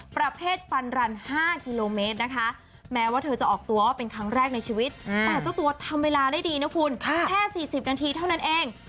ประเภทฟันรัน๕กิโลเมตรนะคะแม้ว่าเธอจะออกตัวว่าเป็นครั้งแรกในชีวิตแต่เจ้าตัวทำเวลาได้ดีนะคุณแค่๔๐นาทีเท่านั้นเอง